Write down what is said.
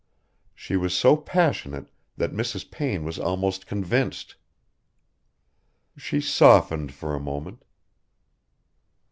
She was so passionate that Mrs. Payne was almost convinced. She softened for a moment.